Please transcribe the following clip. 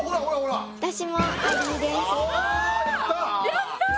やった！